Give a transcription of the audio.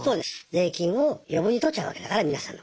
税金を余分に取っちゃうわけだから皆さんの。